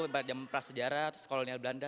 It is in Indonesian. pada zaman prasejarah sekolah sekolah belanda